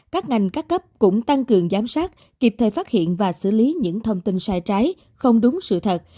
các ngành các cấp cũng tăng cường giám sát kịp thời phát hiện và xử lý những thông tin sai trái không đúng sự thật